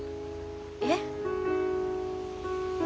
えっ。